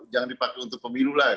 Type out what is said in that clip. jangan dipakai untuk pemilu lah